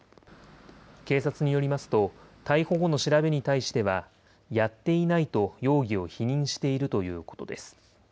警察によりますと、逮捕後の調べに対しては、やっていないと容疑を否認しているということです。